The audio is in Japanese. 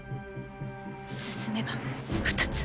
進めば２つ。